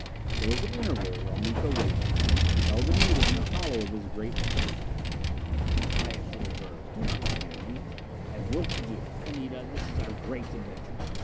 There was an interval while Miko waited. He held Anita in the hollow of his great arm. "Quiet, little bird. Do not fear me. I have work to do, Anita this is our great adventure.